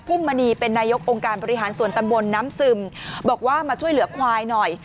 ุ่มมณีเป็นนายกองค์การบริหารส่วนตำบลน้ำซึมบอกว่ามาช่วยเหลือควายหน่อย